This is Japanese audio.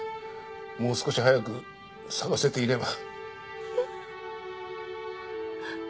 もう少し早く捜せていれば